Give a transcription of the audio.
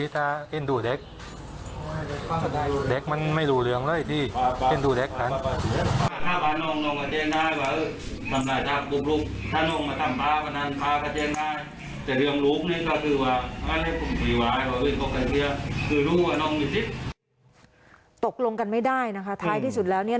ตกลงกันไม่ได้นะคะท้ายที่สุดแล้วเนี่ย